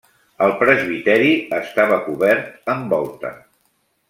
El presbiteri estava cobert amb volta.